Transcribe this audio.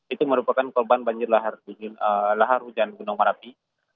itu merupakan korban banjir lahar hujan gunung merapi